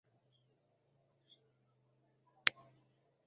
তিনি slow left arm orthodox bowler.